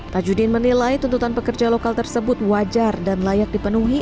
tajudin menilai tuntutan pekerja lokal tersebut wajar dan layak dipenuhi